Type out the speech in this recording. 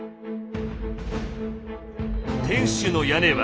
「天守の屋根は」。